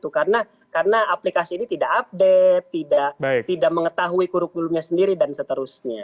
karena aplikasi ini tidak update tidak mengetahui kurukulunya sendiri dan seterusnya